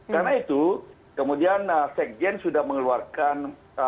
karena itu kemudian sekjen sudah mengeluarkan